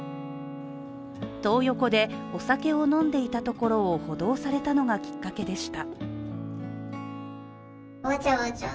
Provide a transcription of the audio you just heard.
トー横でお酒を飲んでいたところを補導されたのがきっかけでした。